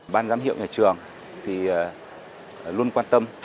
ban giám hiệu nhà trường thì luôn quan tâm